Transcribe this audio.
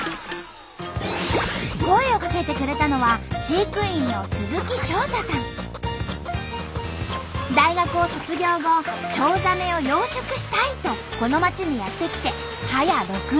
声をかけてくれたのは飼育員の大学を卒業後チョウザメを養殖したいとこの町にやって来て早６年。